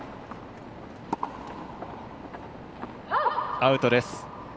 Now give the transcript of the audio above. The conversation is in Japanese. アウトです。